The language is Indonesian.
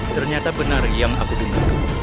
ternyata benar yang aku dengar